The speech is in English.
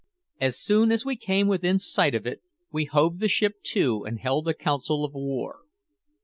As soon as we came within sight of it, we hove the ship to and held a council of war.